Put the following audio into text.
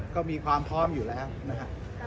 ก็มีความพร้อมอยู่แล้วนะครับ